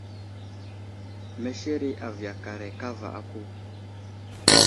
Meshere a viyakaray kava aku.